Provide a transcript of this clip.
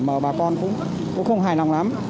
mà bà con cũng không hài lòng lắm